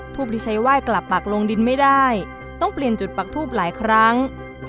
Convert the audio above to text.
ทูปที่ใช้ไหว้กลับปักลงดินไม่ได้ต้องเปลี่ยนจุดปักทูบหลายครั้ง